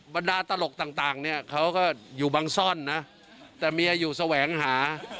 บรรดาตลกต่างเนี่ยเขาก็อยู่บังซ่อนนะแต่เมียอยู่แสวงหา